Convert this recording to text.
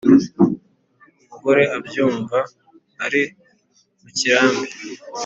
Umugore abyumva ari mu kirambi